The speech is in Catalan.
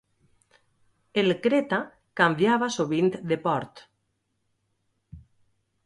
El Creta canviava sovint de port.